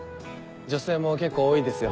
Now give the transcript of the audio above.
女性も結構多いですよ。